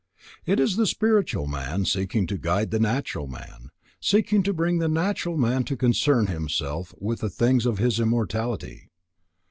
It is the spiritual man seeking to guide the natural man, seeking to bring the natural man to concern himself with the things of his immortality.